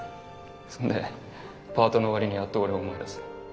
そんでパートの終わりにやっと俺を思い出す。